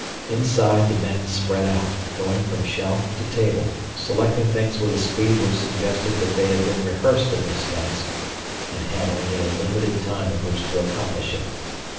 Inside the men spread out, going from shelf to table, selecting things with a speed which suggested that they had been rehearsed in this task and had only a limited time in which to accomplish it.